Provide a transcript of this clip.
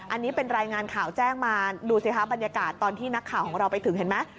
อันนี้เป็นรายงานข่าวแจ้งมาดูสิคะบรรยากาศตอนที่นักข่าวของเราไปถึงเห็นไหม